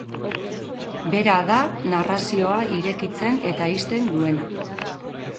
Bera da narrazioa irekitzen eta ixten duena.